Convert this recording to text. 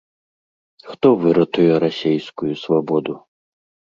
Хто выратуе расейскую свабоду?